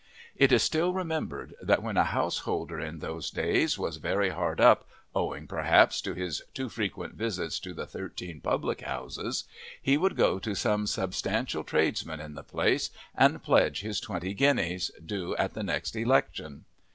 It is still remembered that when a householder in those days was very hard up, owing, perhaps, to his too frequent visits to the thirteen public houses, he would go to some substantial tradesman in the place and pledge his twenty guineas, due at the next election!